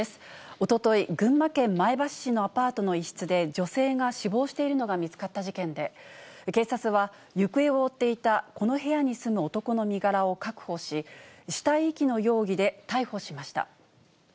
おととい、群馬県前橋市のアパートの一室で、女性が死亡しているのが見つかった事件で、警察は、行方を追っていたこの部屋に住む男の身柄を確保し、死体遺棄の容疑で逮捕しました。